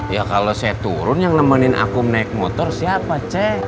ya kalau saya turun yang nemenin aku naik motor siapa c